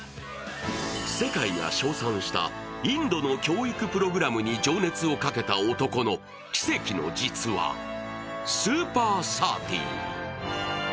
世界が称賛したインドの教育プログラムに情熱をかけた男の奇跡の実話「スーパー３０」。